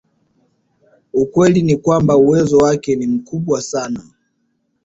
Ukweli ni kwamba uwezo wake ni mkubwa sana